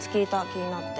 気になって。